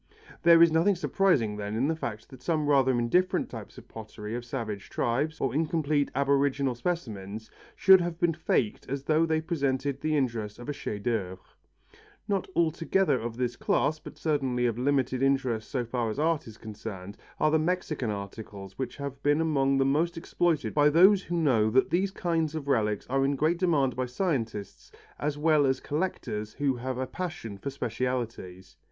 There is nothing surprising then in the fact that some rather indifferent types of pottery of savage tribes, or incomplete aboriginal specimens, should have been faked as though they presented the interest of a chef d'œuvre. Not altogether of this class, but certainly of limited interest so far as art is concerned, are the Mexican articles which have been among the most exploited by those who know that these kinds of relics are in great demand by scientists as well as collectors who have a passion for specialities.